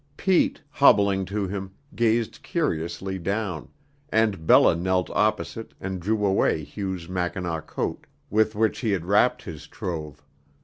Pete, hobbling to him, gazed curiously down, and Bella knelt opposite and drew away Hugh's mackinaw coat, with which he had wrapped his trove.